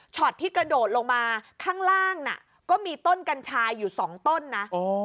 ที่กระโดดลงมาข้างล่างน่ะก็มีต้นกัญชาอยู่สองต้นนะ